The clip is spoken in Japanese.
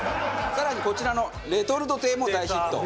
更にこちらのレトルト亭も大ヒット。